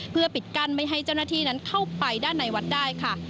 เพื่อปิดกั้นไม่ให้เจ้าหน้าที่นั้นเข้าไปด้านในวัดได้ค่ะ